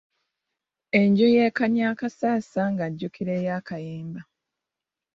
Enju ye Kannyakassasa ng'ajjukira eya Kayemba.